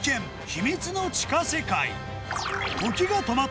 秘密の地下世界。